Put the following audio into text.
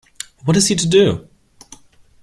What is he to do?